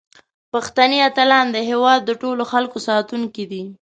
پښتني اتلان د هیواد د ټولو خلکو ساتونکي دي.